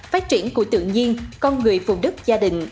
phát triển của tự nhiên con người phùng đức gia đình